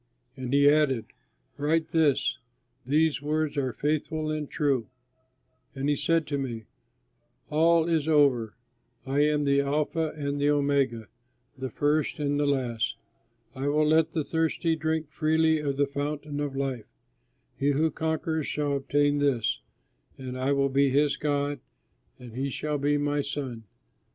And he added, "Write this: 'These words are faithful and true.'" And he said to me, "All is over! I am the Alpha and the Omega, the First and the Last. I will let the thirsty drink freely of the fountain of life. He who conquers shall obtain this, and I will be his God and he shall be my son."